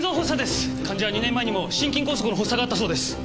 患者は２年前にも心筋梗塞の発作があったそうです。